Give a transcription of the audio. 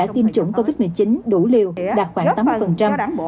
tiêm chủng covid một mươi chín đủ liều đạt khoảng tám